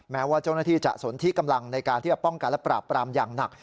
แม้ว่าเจ้าหน้าที่จะสนที่กำลังในการที่จะป้องกันและปราบปรามอย่างหนัก